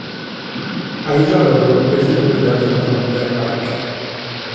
Air Labrador es de propiedad de la Familia Pike.